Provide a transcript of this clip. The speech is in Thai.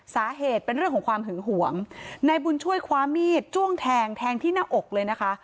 สาเหตุเป็นเรื่องของความหึงหวงนายบุญช่วยคว้ามีดจ้วงแทงแทงที่หน้าอกเลยนะคะ